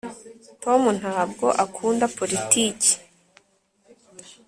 tom ntabwo akunda politiki